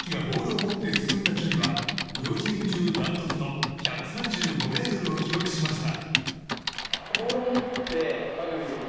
この試合、レメキがボールを持って進んだ距離は両チーム中ダントツの１３５ｍを記録しました。